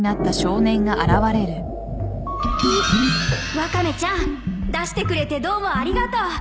ワカメちゃん出してくれてどうもありがとう。